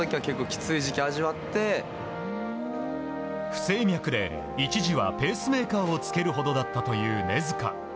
不整脈で一時はペースメーカーを着けるほどだったという根塚。